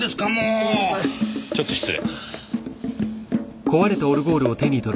ちょっと失礼。